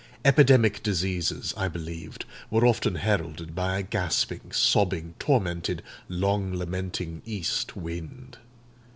Epidemic diseases, I believed, were often heralded by a gasping, sobbing, tormented, long lamenting east wind.